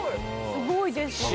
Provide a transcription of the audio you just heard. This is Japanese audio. すごいですよね。